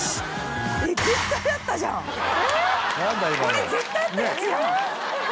これ絶対あったやつやん。